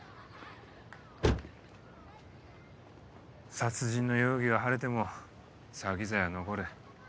殺人の容疑は晴れても詐欺罪は残る。